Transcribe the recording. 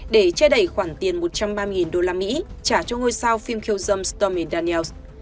để che đậy khoản tiền một trăm ba mươi usd trả cho ngôi sao phim khiêu dâm stormy daniels